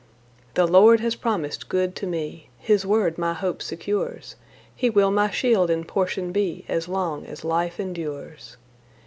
The Lord has promised good to me His word my hope secures; He will my shield and portion be, As long as life endures.